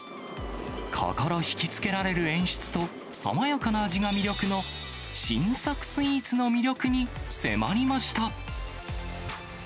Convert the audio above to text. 心引きつけられる演出と、爽やかな味が魅力の新作スイーツの魅力に迫りました。